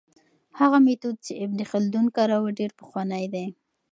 هغه میتود چې ابن خلدون کاروه ډېر پخوانی دی.